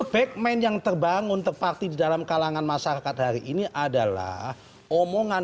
backman yang terbangun terpaksa di dalam kalangan masyarakat hari ini adalah omongan